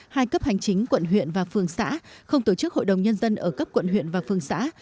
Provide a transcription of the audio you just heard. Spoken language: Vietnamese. hai cấp hành chính quận huyện và phường xã không tổ chức hội đồng nhân dân ở cấp quận huyện và phường xã